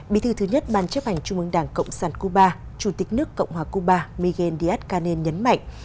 bí thư thứ nhất ban chấp hành trung ương đảng cộng sản cuba chủ tịch nước cộng hòa cuba miguel díaz canel nhấn mạnh